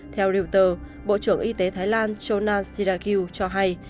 theo reuters bộ trưởng y tế thái lan chonan sirakil cho hay